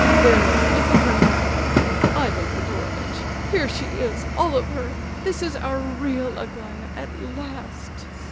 "There, look at her now—Ivan Fedorovitch! Here she is—all of her! This is our real Aglaya at last!"